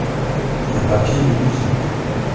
Un papier de musique.